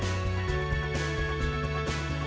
menjadi cerita tersendiri